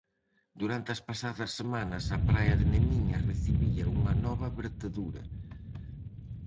Durante as pasadas semanas, a praia de Nemiña recibía unha nova vertedura.